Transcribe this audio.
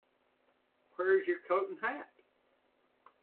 Where's your coat and hat?